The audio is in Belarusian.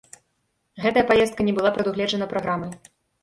Гэтая паездка не была прадугледжана праграмай.